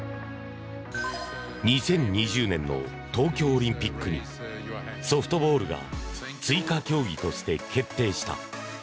２０２０年の東京オリンピックにソフトボールが追加競技として決定した。